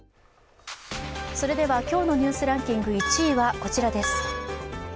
今日のニュースランキング１位はこちらです。